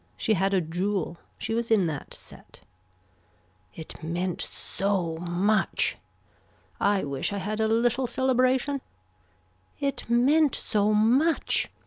She had a jewel. She was in that set. It meant so much. I wish I had a little celebration. It meant so much.